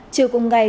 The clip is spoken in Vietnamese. chiều cùng ngày